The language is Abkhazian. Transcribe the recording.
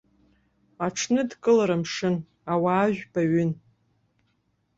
Аҽны дкылара мшын, ауаа жәпаҩын.